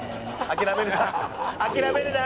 諦めるな。